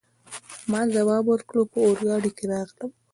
ما ځواب ورکړ: په اورګاډي کي راغلم.